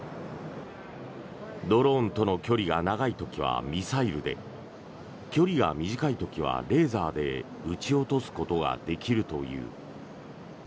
ドローンとの距離が長い時はミサイルで距離が短い時はレーザーで撃ち落とすことができるという。